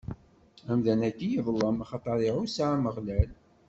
Amdan-agi yeḍlem, axaṭer iɛuṣa Ameɣlal.